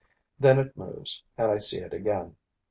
Then it moves and I see it again.